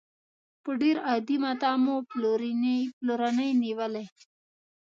په ډېر عادي متاع مو پلورنې نېولې.